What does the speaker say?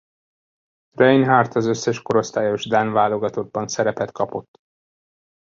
Reinhardt az összes korosztályos dán válogatottban szerepet kapott.